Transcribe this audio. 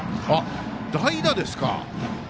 代打ですか。